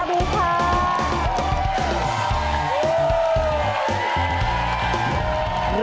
สวัสดีค่ะ